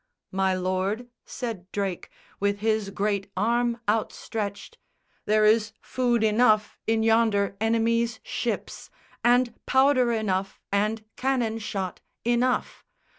"My lord," said Drake, with his great arm outstretched, "There is food enough in yonder enemy's ships, And powder enough and cannon shot enough!